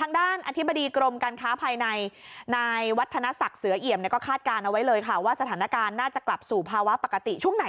ทางด้านอธิบดีกรมการค้าภายในนายวัฒนศักดิ์เสือเอี่ยมเนี่ยก็คาดการณ์เอาไว้เลยค่ะว่าสถานการณ์น่าจะกลับสู่ภาวะปกติช่วงไหน